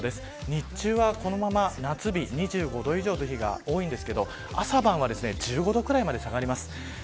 日中はこのまま夏日で２５度以上の日が多いのですが朝晩は１５度くらいまで下がります。